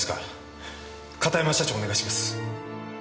片山社長をお願いします。